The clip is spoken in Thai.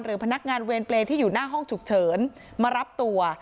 พนักงานเวรเปรย์ที่อยู่หน้าห้องฉุกเฉินมารับตัว